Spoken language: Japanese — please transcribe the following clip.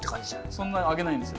そんなあげないんですよ。